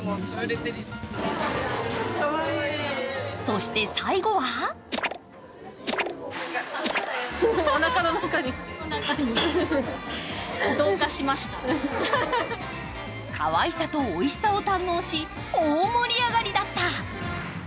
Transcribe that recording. そして、最後はかわいさとおいしさを堪能し、大盛り上がりだった。